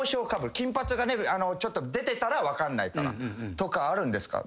金髪がちょっと出てたら分かんないからとかあるんですか？